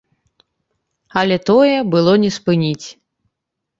Але тое было не спыніць.